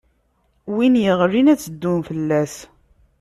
Win iɣlin, ad tt-ddun fell-as.